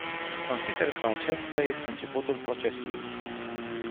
Consider că acesta este începutul procesului.